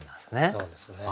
そうですね。